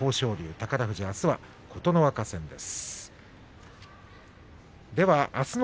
宝富士はあすは琴ノ若戦です。